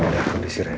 tapi kalau bisa kan